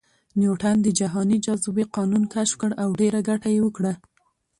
نیوټن د جهاني جاذبې قانون کشف کړ او ډېره ګټه یې وکړه